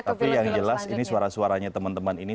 tapi yang jelas ini suara suaranya teman teman ini